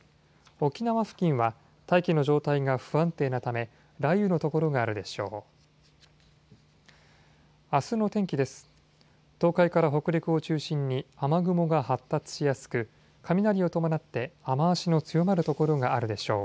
沖縄付近は大気の状態が不安定なため雷雨の所があるでしょう。